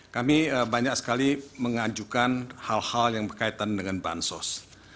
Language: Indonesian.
kami banyak sekali mengajukan hal hal yang berkaitan dengan bansos